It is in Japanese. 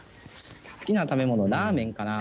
好きな食べ物ラーメンかな。